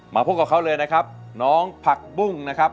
มาพบกับเขาเลยนะครับน้องผักบุ้งนะครับ